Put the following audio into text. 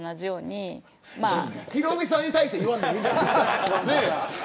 ヒロミさんに対して言わなくていいですよ。